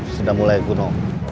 sudah mulai kuno